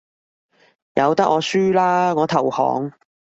由得我輸啦，我投降